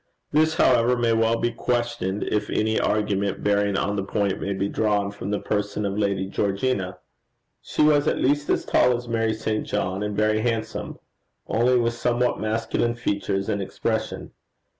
This, however, may well be questioned if any argument bearing on the point may be drawn from the person of Lady Georgina. She was at least as tall as Mary St. John, and very handsome only with somewhat masculine features and expression.